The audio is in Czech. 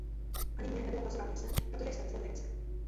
Ani mně nebylo hlasování jasné, protože jste nezvedli ruce.